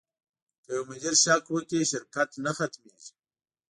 که یو مدیر شک وکړي، شرکت نه ختمېږي.